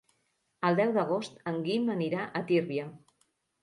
El deu d'agost en Guim anirà a Tírvia.